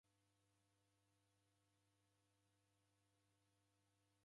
Ituku ja mwandu jamerie kughorwa.